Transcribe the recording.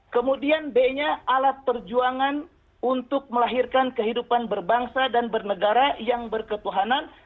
kemudian b nya alat perjuangan untuk melahirkan kehidupan berbangsa dan bernegara yang berketuhanan